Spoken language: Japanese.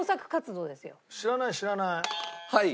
知らない知らない。